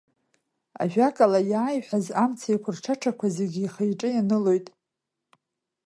Ажәакала иааиҳәоз имц еиқәырҽаҽақәа зегьы ихы-иҿы ианылоит.